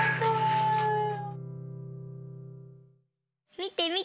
みてみて。